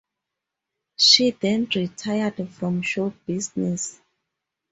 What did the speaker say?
She then retired from show business.